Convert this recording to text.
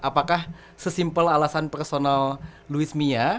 apakah sesimpel alasan personal louis mia